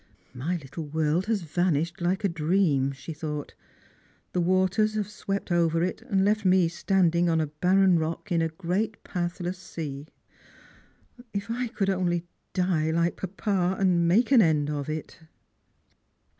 " My Uttle world has vanished like a dream," she thought, " the waters have swept over it, and left me standing on a Darren rock in a great pathless sea. If I could only die, like papa, and make an end of it